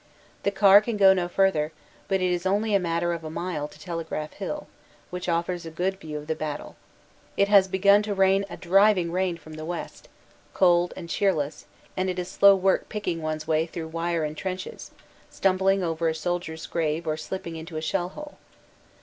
The car can go no further, but it is only a matter of a mile to Telegraph Hill, which offers a good view of the battle. It has begun to rain a driving rain from the west, cold and cheerless and it is slow work picking one s way through wire and trenches, stumbling over a soldier s grave or slipping into a shell hole.